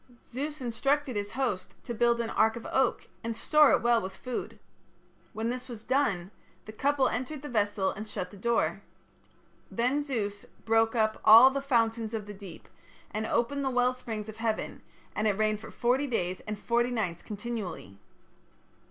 Zeus instructed his host to build an ark of oak, and store it well with food. When this was done, the couple entered the vessel and shut the door. Then Zeus "broke up all the fountains of the deep, and opened the well springs of heaven, and it rained for forty days and forty nights continually".